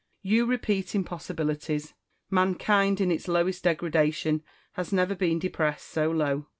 you repeat impossibilities; mankind, in its lowest degradation, has never been depressed so low.